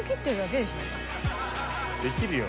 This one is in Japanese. できるよ。